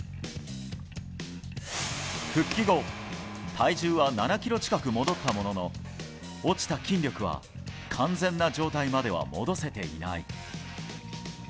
復帰後、体重は７ｋｇ近く戻ったものの落ちた筋力は完全な状態までは戻せていない。